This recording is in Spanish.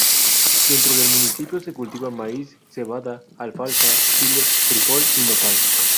Dentro del municipio se cultiva maíz, cebada, alfalfa, chile, frijol y nopal.